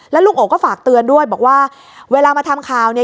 ลุงโอก็ฝากเตือนด้วยบอกว่าเวลามาทำข่าวเนี่ย